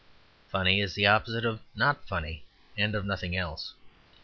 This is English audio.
Funny is the opposite of not funny, and of nothing else.